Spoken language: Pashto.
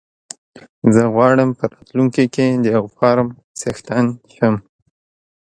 زه غواړم په راتلونکي کې د يو فارم څښتن شم.